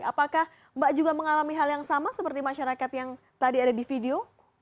apakah mbak juga mengalami hal yang sama seperti masyarakat yang tadi ada di video